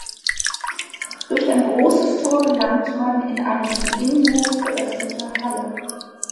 Durch ein großes Tor gelangt man in eine zum Innenhof geöffnete Halle.